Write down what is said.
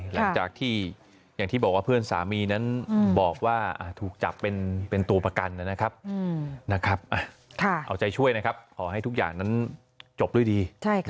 หลังจากที่อย่างที่บอกว่าเพื่อนสามีนั้นบอกว่าถูกจับเป็นตัวประกันนะครับเอาใจช่วยนะครับขอให้ทุกอย่างนั้นจบด้วยดี